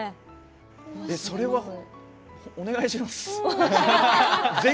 それはお願いします。